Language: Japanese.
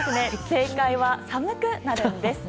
正解は、寒くなるんです。